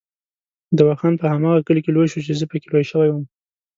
دوا خان په هماغه کلي کې لوی شو چې زه پکې لوی شوی وم.